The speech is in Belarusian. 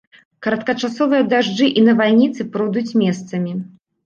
Кароткачасовыя дажджы і навальніцы пройдуць месцамі.